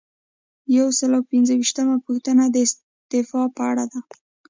یو سل او پنځه ویشتمه پوښتنه د استعفا په اړه ده.